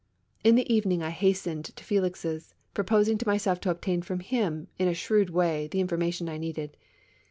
In the evening I hastened to Felix's, proposing to myself to obtain from him, in a shrewd way, the information I needed.